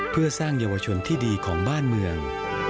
เพื่อสร้างเยาวชนที่ดีของบ้านเมือง